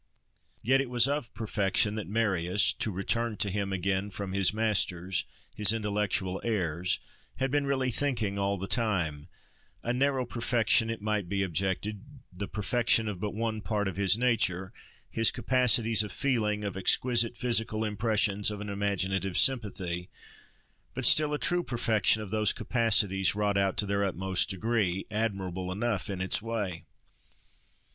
Yet it was of perfection that Marius (to return to him again from his masters, his intellectual heirs) had been really thinking all the time: a narrow perfection it might be objected, the perfection of but one part of his nature—his capacities of feeling, of exquisite physical impressions, of an imaginative sympathy—but still, a true perfection of those capacities, wrought out to their utmost degree, admirable enough in its way.